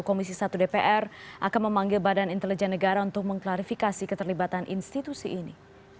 komisi satu dpr akan memanggil badan intelijen negara untuk mengklarifikasi keterlibatan institusi ini